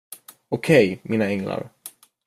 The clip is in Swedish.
Okej, mina änglar.